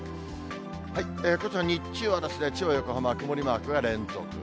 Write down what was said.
こちら日中は千葉、横浜は曇りマークが連続。